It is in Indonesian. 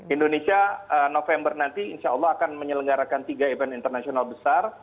indonesia november nanti insya allah akan menyelenggarakan tiga event internasional besar